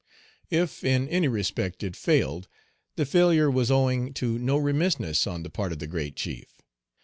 If, in any respect, it failed, the failure was owing to no remissness on the part of the great Page 188 chief.